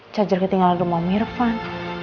charger ketinggalan rumah mirvan